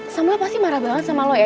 samuel pasti marah banget sama lo ya